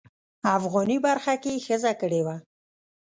افغاني برخه کې یې ښځه کړې وه.